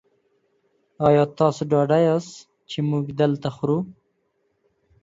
ایا تاسو ډاډه یاست چې موږ دلته خورو؟